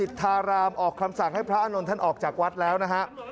ทารามออกคำสั่งให้พระอานนท์ท่านออกจากวัดแล้วนะฮะ